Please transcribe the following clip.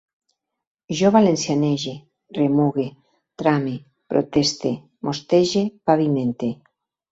Jo valencianege, remugue, trame, proteste, mostege, pavimente